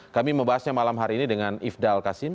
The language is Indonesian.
kami membahasnya malam hari ini dengan ifdal kasim